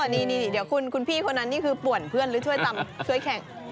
นี่เดี๋ยวคุณพี่คนนั้นนี่คือป่วนเพื่อนหรือช่วยแข่ง